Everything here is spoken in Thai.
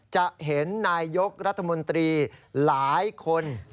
จะเห็นนายยกรัฐมนตรีหลายคน